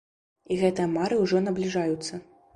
І гэтыя мары ўжо набліжаюцца.